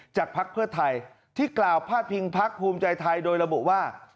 พักเพื่อไทยที่กล่าวพาดพิงพักภูมิใจไทยโดยระบุว่า